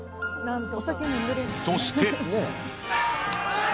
そして。